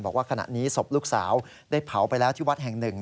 บอกว่าขณะนี้ศพลูกสาวได้เผาไปแล้วที่วัดแห่งหนึ่ง